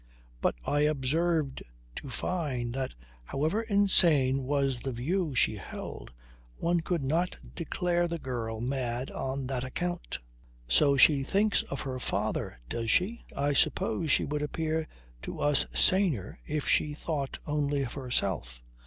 But I observed to Fyne that, however insane was the view she held, one could not declare the girl mad on that account. "So she thinks of her father does she? I suppose she would appear to us saner if she thought only of herself."